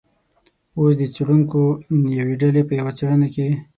اوس د څیړونکو یوې ډلې په یوه څیړنه کې